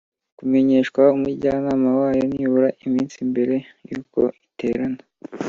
kumenyeshwa umujyanama wayo nibura iminsi mbere y uko iterana